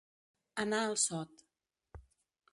Anar al sot.